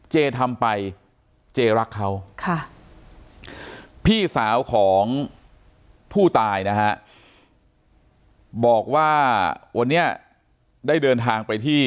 เจทำไปเจรักเขาค่ะพี่สาวของผู้ตายนะฮะบอกว่าวันนี้ได้เดินทางไปที่